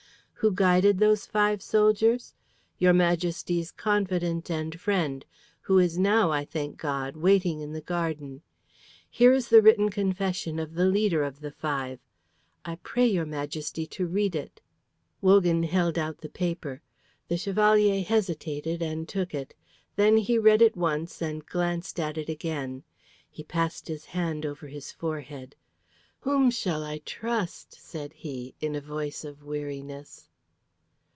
Who guided those five soldiers? Your Majesty's confidant and friend, who is now, I thank God, waiting in the garden. Here is the written confession of the leader of the five. I pray your Majesty to read it." Wogan held out the paper. The Chevalier hesitated and took it. Then he read it once and glanced at it again. He passed his hand over his forehead. "Whom shall I trust?" said he, in a voice of weariness.